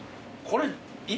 これ。